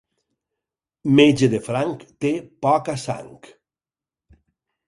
Metge de franc té poca sang.